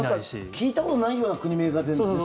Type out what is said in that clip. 聞いたことないような国名が出るんです。